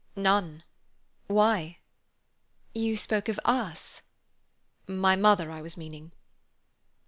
"None. Why?" "You spoke of 'us.'" "My mother, I was meaning."